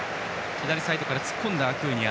左サイドから突っ込んだアクーニャ。